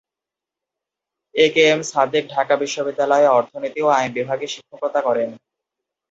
এ K M Sadek Dhaka বিশ্ববিদ্যালয়ে অর্থনীতি ও আইন বিভাগে শিক্ষকতা করেন।